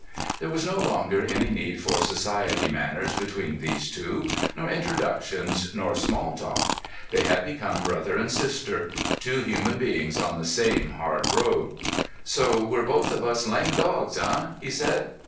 There was no longer any need for society manners between these two, nor introductions nor small talk. They had become brother and sister—two human beings on the same hard road. "So we're both of us lame dogs, eh?" he said.